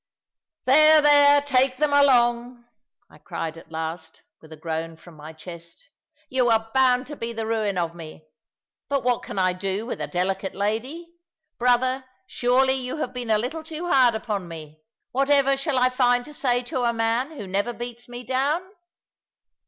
"There, there; take them along," I cried at last, with a groan from my chest: "you are bound to be the ruin of me. But what can I do with a delicate lady? Brother, surely you have been a little too hard upon me. Whatever shall I find to say to a man who never beats me down?"